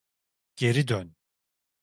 Geri dön.